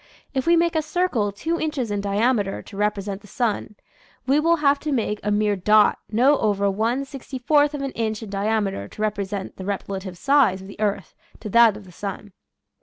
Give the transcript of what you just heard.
If we make a circle two inches in diameter to represent the sun we will have to make a mere dot not over one sixty fourth of an inch in diameter to repre sent the relative size of the earth to that of the sun.